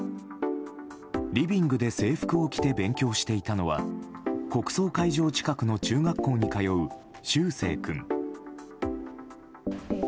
リビングで制服を着て勉強していたのは国葬会場近くに中学校に通う柊成君。